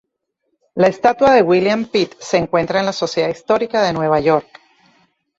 La estatua de William Pitt se encuentra en la Sociedad Histórica de Nueva York.